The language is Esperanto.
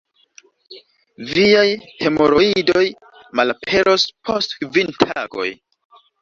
Viaj hemoroidoj malaperos post kvin tagoj.